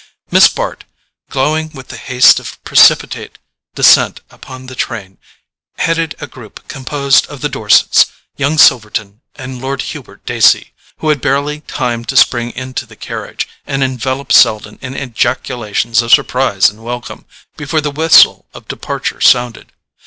Miss Bart, glowing with the haste of a precipitate descent upon the train, headed a group composed of the Dorsets, young Silverton and Lord Hubert Dacey, who had barely time to spring into the carriage, and envelop Selden in ejaculations of surprise and welcome, before the whistle of departure sounded.